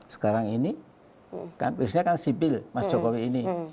sekarang ini kan biasanya kan sipil mas jokowi ini